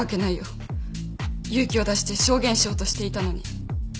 勇気を出して証言しようとしていたのに。